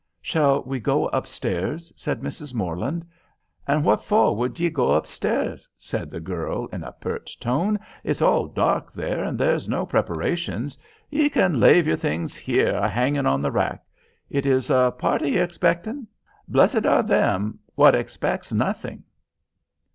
"Shall we go upstairs?" said Mrs. Morland. "And what for would ye go upstairs?" said the girl in a pert tone. "It's all dark there, and there's no preparations. Ye can lave your things here a hanging on the rack. It is a party ye're expecting? Blessed are them what expects nothing."